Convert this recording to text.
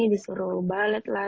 disuruh balet lah